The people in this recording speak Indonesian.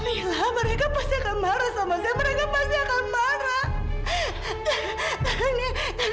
lihatlah mereka pasti akan marah sama saya mereka pasti akan marah